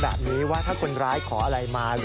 แบบนี้ว่าถ้าคนร้ายขออะไรมา